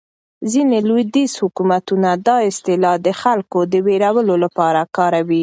ځینې لویدیځ حکومتونه دا اصطلاح د خلکو د وېرولو لپاره کاروي.